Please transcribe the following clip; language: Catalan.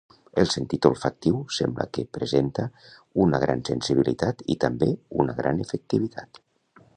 El sentit olfactiu sembla que presenta una gran sensibilitat i també una gran efectivitat